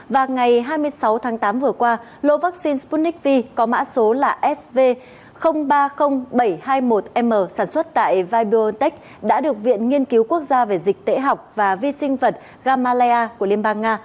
và ngày hai mươi sáu tháng tám vừa qua lô vaccine sputnik v có mã số là sv ba mươi nghìn bảy trăm hai mươi một m sản xuất tại vibotech đã được viện nghiên cứu quốc gia về dịch tễ học và vi sinh vật gamaleya của liên bang nga